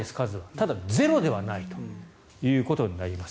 ただ、ゼロではないということになります。